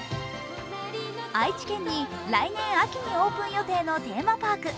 愛知県に来年秋にオープン予定のテーマパーク。